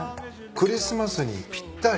クリスマスにぴったり。